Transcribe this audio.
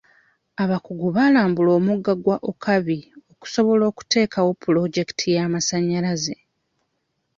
Abakugu baalambula omugga gwa Okabi okusobola okuteekawo pulojekiti y'amasanyalaze.